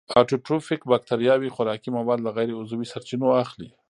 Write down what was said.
اټوټروفیک باکتریاوې خوراکي مواد له غیر عضوي سرچینو اخلي.